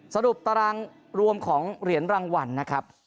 สรุปตารางรวมของเหรียญรางวัลนะครับ